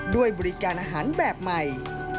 ด้วยบริการอาหารแบบใหม่